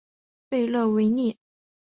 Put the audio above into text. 贝勒维涅。